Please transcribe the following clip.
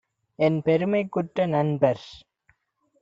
என்பெருமைக்குற்ற நண்பர்!